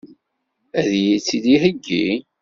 Ad iyi-tt-id-iheggi?